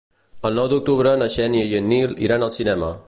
El nou d'octubre na Xènia i en Nil iran al cinema.